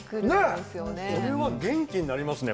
ねぇこれは元気になりますね